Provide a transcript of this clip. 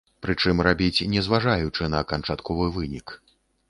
Прычым, рабіць, не зважаючы на канчатковы вынік.